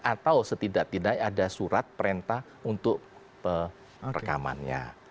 atau setidak tidak ada surat perintah untuk rekamannya